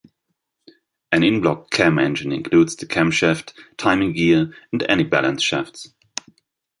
An in-block cam engine includes the camshaft, timing gear, and any balance shafts.